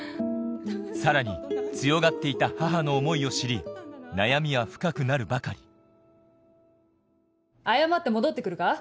さらに強がっていた母の思いを知り悩みは深くなるばかり謝って戻って来るか？